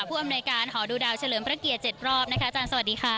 อำนวยการหอดูดาวเฉลิมพระเกียรติ๗รอบนะคะอาจารย์สวัสดีค่ะ